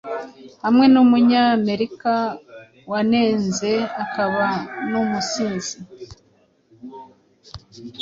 Hamwe numunyamerika wanenze akaba numusizi